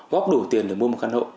góp đủ tiền để mua một căn hộ